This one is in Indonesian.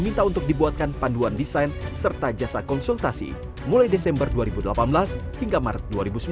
diminta untuk dibuatkan panduan desain serta jasa konsultasi mulai desember dua ribu delapan belas hingga maret dua ribu sembilan belas